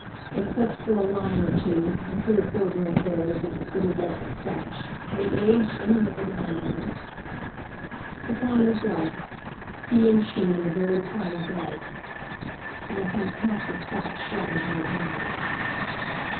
Except for a line or two, and three or four grey hairs in his little dark moustache, had he aged any more than Irene? The prime of life—he and she in the very prime of life! And a fantastic thought shot into his mind.